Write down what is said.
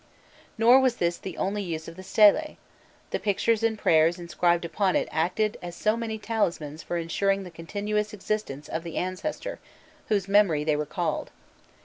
Nor was this the only use of the stele; the pictures and prayers inscribed upon it acted as so many talismans for ensuring the continuous existence of the ancestor, whose memory they recalled.